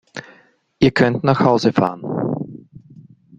Ihr könnt nach Hause fahren!